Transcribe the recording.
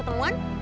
a serving human